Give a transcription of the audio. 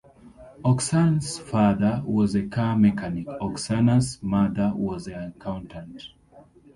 Oksana's father was a car mechanic, Oksana's mother was an accountant.